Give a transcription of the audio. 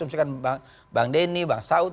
apa yang diasumsikan bang deni bang saud